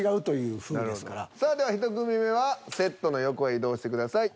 さあでは１組目はセットの横へ移動してください。